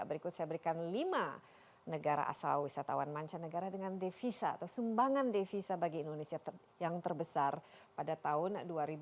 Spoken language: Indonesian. berikut saya berikan lima negara asal wisatawan mancanegara dengan devisa atau sumbangan devisa bagi indonesia yang terbesar pada tahun dua ribu dua puluh